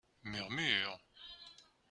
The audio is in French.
Murmures.